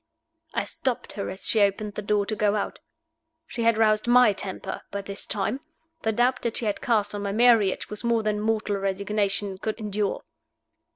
I stopped her as she opened the door to go out. She had roused my temper by this time. The doubt that she had cast on my marriage was more than mortal resignation could endure.